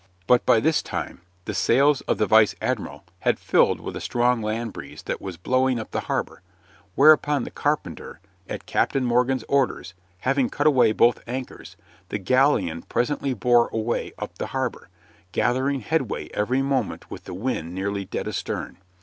But by this time the sails of the vice admiral had filled with a strong land breeze that was blowing up the harbor, whereupon the carpenter, at Captain Morgan's orders, having cut away both anchors, the galleon presently bore away up the harbor, gathering headway every moment with the wind nearly dead astern.